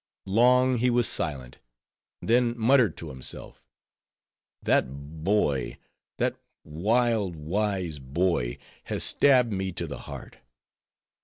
Long he was silent; then muttered to himself, "That boy, that wild, wise boy, has stabbed me to the heart.